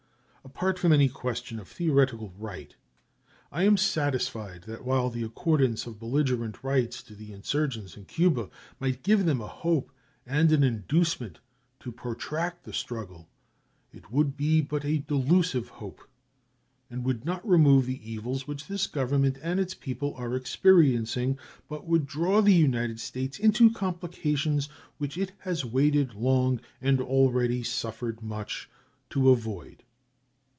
Apart from any question of theoretical right, I am satisfied that while the accordance of belligerent rights to the insurgents in Cuba might give them a hope and an inducement to protract the struggle, it would be but a delusive hope, and would not remove the evils which this Government and its people are experiencing, but would draw the United States into complications which it has waited long and already suffered much to avoid.